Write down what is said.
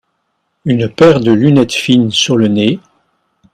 Une paire de lunettes fines sur le nez.